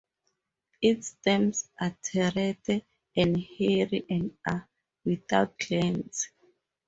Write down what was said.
Its stems are terete and hairy and are without glands.